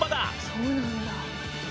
そうなんだ。